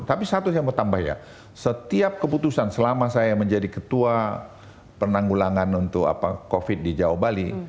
tapi satu yang mau ditambah ya setiap keputusan selama saya menjadi ketua penanggulangan untuk covid di jawa bali